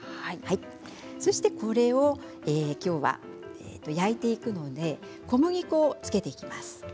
そして、これをきょうは焼いていくので小麦粉をつけていきます。